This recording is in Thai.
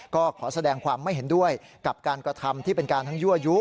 ก็ขอแสดงความไม่เห็นด้วยกับการกระทำที่เป็นการทั้งยั่วยุ